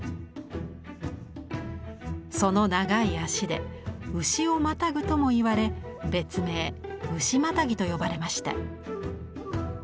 その長い脚で牛をまたぐともいわれ別名「牛跨」と呼ばれました。